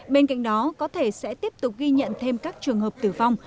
bên cạnh đó có thể sẽ tiếp tục ghi nhận thêm các trường hợp tử vong